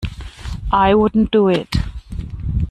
I wouldn't do it.